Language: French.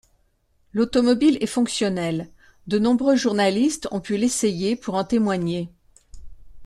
L'automobile est fonctionnelle, de nombreux journalistes ont pu l'essayer pour en témoigner.